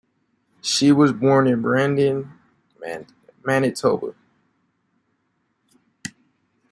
She was born in Brandon, Manitoba.